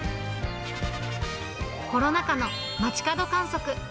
コロナ禍の街角観測。